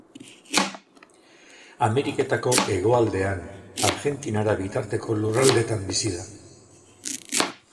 Ameriketako hegoaldean, Argentinara bitarteko lurraldeetan bizi da.